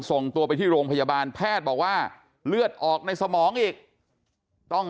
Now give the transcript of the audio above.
ส่งตัวไปที่โรงพยาบาลแพทย์บอกว่าเลือดออกในสมองอีกต้อง